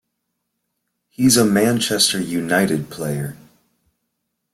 He's a Manchester United player.